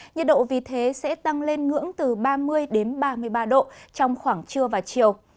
nhiệt độ vì thế sẽ tăng lên ngưỡng từ ba mươi ba mươi ba độ trong khoảng trưa và chiều